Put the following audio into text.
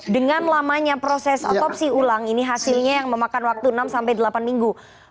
dengan lamanya proses otopsi ulang ini hasilnya yang memakan waktu enam sampai delapan minggu